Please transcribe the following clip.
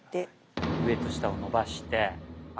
上と下を伸ばして。